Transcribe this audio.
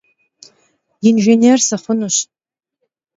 Yinjjênêr sıxhunuş.